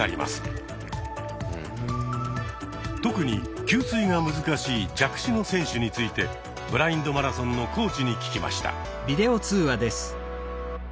特に給水が難しい弱視の選手についてブラインドマラソンのコーチに聞きました。